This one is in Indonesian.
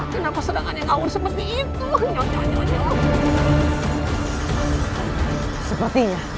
kenapa saya tidak bisa melihatnya